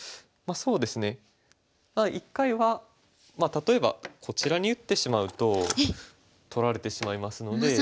そうですね一回はまあ例えばこちらに打ってしまうと取られてしまいますので。